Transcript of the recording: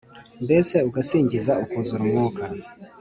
mbese ugasingiza ukiuzura umwuka